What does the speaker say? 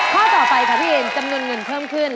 ข้อต่อไปค่ะพี่เอ็มจำนวนเงินเพิ่มขึ้น